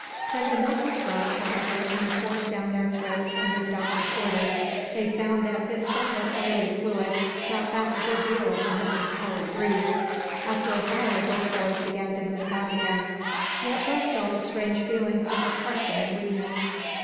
When the milk was brought, however, and forced down their throats under the doctor's orders, they found that this somewhat oily fluid brought back a good deal of the missing power to breathe. After a while both boys began to move about again. Yet both felt a strange feeling of oppression and weakness.